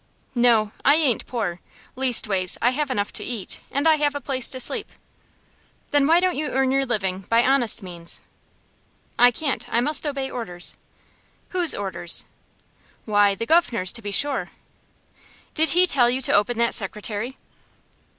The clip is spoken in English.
"No. I ain't poor; leastways, I have enough to eat, and I have a place to sleep." "Then why don't you earn your living by honest means?" "I can't; I must obey orders." "Whose orders?" "Why, the guv'nor's, to be sure." "Did he tell you to open that secretary?"